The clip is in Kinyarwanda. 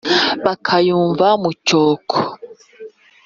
Bakayumva mu cyoko,